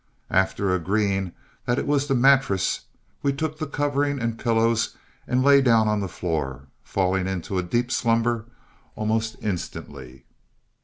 After agreeing that it was the mattress, we took the covering and pillows and lay down on the floor, falling into a deep slumber almost instantly.